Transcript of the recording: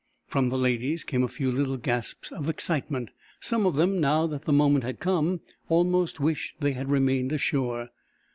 From the ladies came a few little gasps of excitement. Some of them, now that the moment had come, almost wished they had remained ashore.